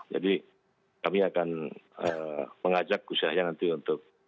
jadi kami akan mengajak khus yahya nanti untuk mencoba